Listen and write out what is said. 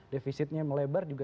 devisitnya melebar juga